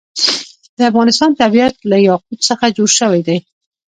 د افغانستان طبیعت له یاقوت څخه جوړ شوی دی.